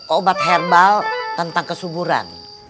obat herbal tentang kesuburan